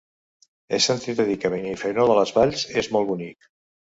He sentit a dir que Benifairó de les Valls és molt bonic.